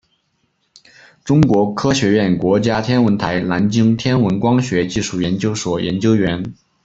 中国科学院国家天文台南京天文光学技术研究所研究员。